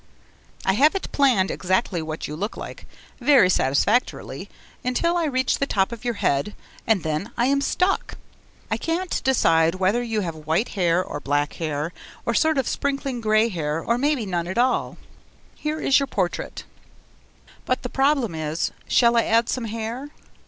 I have it planned exactly what you look like very satisfactorily until I reach the top of your head, and then I AM stuck. I can't decide whether you have white hair or black hair or sort of sprinkly grey hair or maybe none at all. Here is your portrait: But the problem is, shall I add some hair?